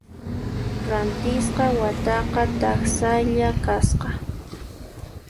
Rantisqa wakaqa taksalla kasqa.